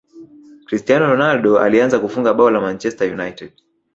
cristiano ronaldo alianza kufunga bao la manchester unite